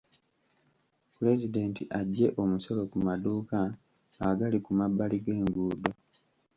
Pulezidenti aggye omusolo ku maduuka agali ku mabbali g'enguudo.